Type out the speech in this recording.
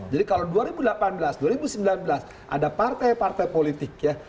jadi kalau dua ribu delapan belas dua ribu sembilan belas ada partai partai politik ya